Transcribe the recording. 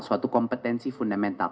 suatu kompetensi fundamental